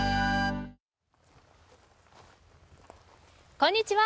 こんにちは。